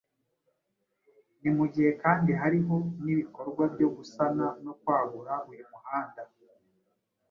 Ni mu gihe kandi hariho n’ibikorwa byo gusana no kwagura uyu muhanda